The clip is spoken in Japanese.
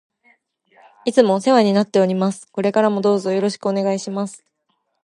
いつもお世話になっております。これからどうぞよろしくお願いします。